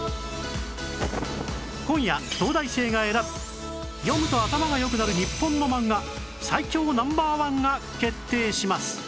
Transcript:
今夜東大生が選ぶ読むと頭が良くなる日本の漫画最強 Ｎｏ．１ が決定します